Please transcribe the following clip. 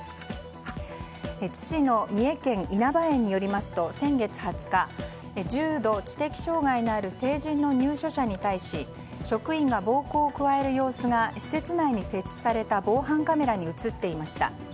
津市の三重県いなば園によりますと、先月２０日重度知的障害のある成人の入所者に対し職員が暴行を加える様子が施設内に設置された防犯カメラに映っていました。